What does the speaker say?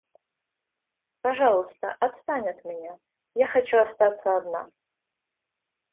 Пожалуйста, отстань от меня, я хочу остаться одна.